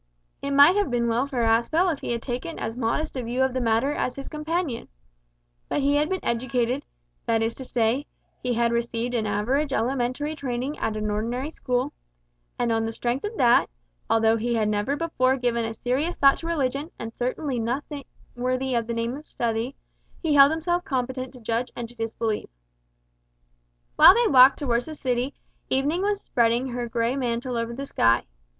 It might have been well for Aspel if he had taken as modest a view of the matter as his companion, but he had been educated that is to say, he had received an average elementary training at an ordinary school, and on the strength of that, although he had never before given a serious thought to religion, and certainly nothing worthy of the name of study, he held himself competent to judge and to disbelieve! While they walked towards the City, evening was spreading her grey mantle over the sky.